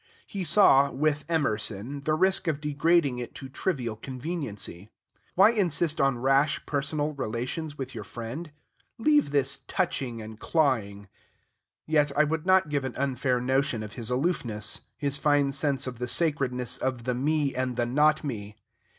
He saw, with Emerson, the risk of degrading it to trivial conveniency. "Why insist on rash personal relations with your friend?" "Leave this touching and clawing." Yet I would not give an unfair notion of his aloofness, his fine sense of the sacredness of the me and the not me.